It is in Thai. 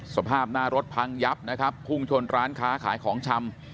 สภาพหน้ารถพังยับนะครับพุ่งชนร้านค้าขายของชำ